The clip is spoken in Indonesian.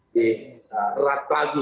di ratu lagi